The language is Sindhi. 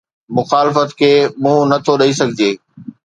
مخالفت کي منهن نه ٿو ڏئي سگهجي